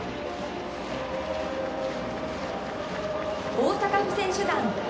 大阪府選手団。